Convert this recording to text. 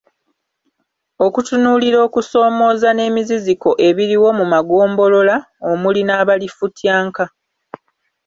Okutunuulira okusoomooza n’emiziziko ebiriwo mu magombolola omuli n’abalifutyanka.